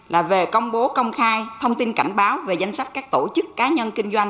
là về công bố công khai thông tin cảnh báo về danh sách các tổ chức cá nhân kinh doanh